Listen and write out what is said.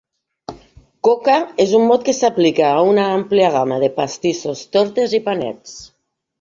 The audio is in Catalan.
Coca és un mot que s'aplica a una àmplia gamma de pastissos, tortes i panets.